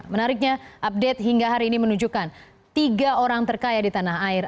menariknya update hingga hari ini menunjukkan tiga orang terkaya di tanah air